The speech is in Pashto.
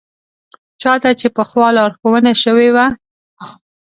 چا ته چې پخوا لارښوونه شوې وه.